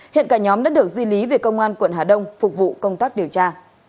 hiện cả nhóm đã được di lý về công an quận hà đông phục vụ công tác điều tra